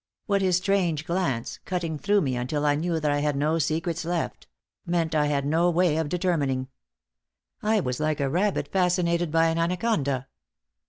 What his strange glance cutting through me until I knew that I had no secrets left meant I had no way of determining. I was like a rabbit fascinated by an anaconda.